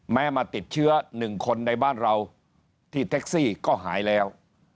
มาติดเชื้อ๑คนในบ้านเราที่แท็กซี่ก็หายแล้ว